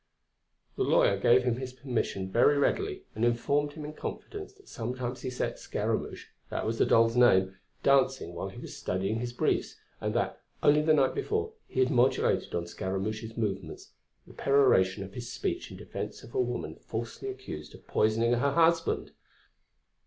The lawyer gave him his permission very readily, and informed him in confidence that sometimes he set Scaramouch (that was the doll's name) dancing while he was studying his briefs, and that, only the night before, he had modulated on Scaramouch's movements the peroration of his speech in defence of a woman falsely accused of poisoning her husband.